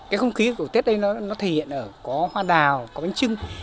cái không khí của tết đây nó thể hiện ở có hoa đào có bánh trưng